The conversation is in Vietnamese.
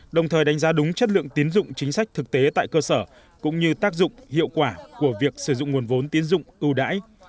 đồng thời đánh giá đúng chất lượng tiến dụng chính sách thực tế tại cơ sở cũng như tác dụng hiệu quả của việc sử dụng nguồn vốn tiến dụng ưu đãi